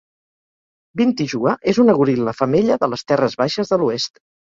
Binti Jua és una goril·la femella de les terres baixes de l'oest.